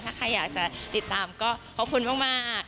ถ้าใครอยากจะติดตามก็ขอบคุณมาก